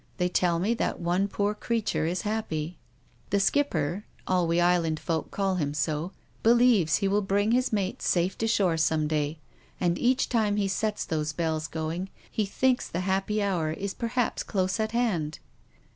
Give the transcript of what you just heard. They tell me that one poor creature is happy. The Skipper — all we Island folk call him so — believes he will bring his mates safe to shore some day. And each time he sets those bells going he thinks the happy hour is perhaps close at hand."